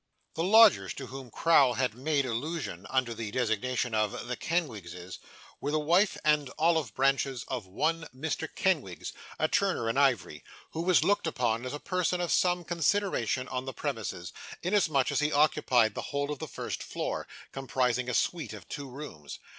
The lodgers to whom Crowl had made allusion under the designation of 'the Kenwigses,' were the wife and olive branches of one Mr. Kenwigs, a turner in ivory, who was looked upon as a person of some consideration on the premises, inasmuch as he occupied the whole of the first floor, comprising a suite of two rooms.